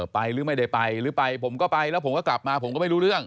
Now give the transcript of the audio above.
หรือไม่ได้ไปหรือไปผมก็ไปแล้วผมก็กลับมาผมก็ไม่รู้เรื่อง